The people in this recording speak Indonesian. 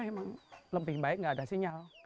memang lebih baik nggak ada sinyal